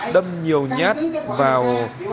đâm nhiều nhát vào